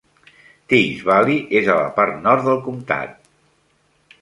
Teays Valley és a la part nord del comtat.